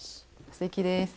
すてきです。